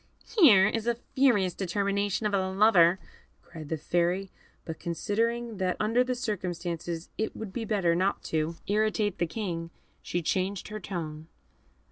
"Here is a furious determination of a lover!" cried the Fairy; but considering that under the circumstances it would be better not to irritate the King, she changed her tone.